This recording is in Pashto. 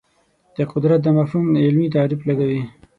د قدرت دا مفهوم علمي تعریف لګوي